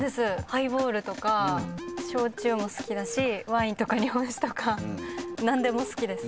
ハイボールとか焼酎も好きだしワインとか日本酒とか何でも好きです。